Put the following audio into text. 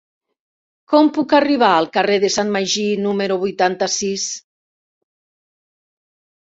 Com puc arribar al carrer de Sant Magí número vuitanta-sis?